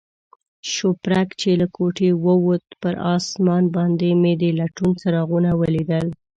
شوپرک چې له کوټې ووت، پر آسمان باندې مې د لټون څراغونه ولیدل.